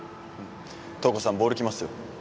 瞳子さんボール来ますよ